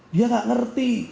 dia tidak mengerti